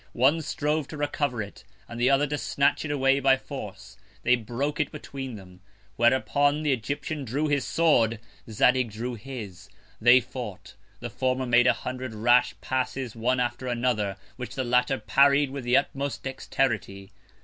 One strove to recover it, and the other to snatch it away by Force. They broke it between them. Whereupon the Egyptian drew his Sword. Zadig drew his: They fought: The former made a hundred rash Passes one after another, which the latter parried with the utmost Dexterity.